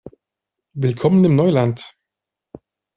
Willkommen im Neuland!